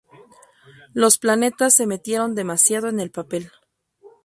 Los Planetas se metieron demasiado en el papel.